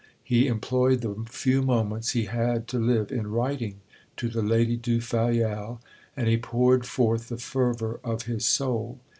He employed the few moments he had to live in writing to the Lady du Fayel; and he poured forth the fervour of his soul.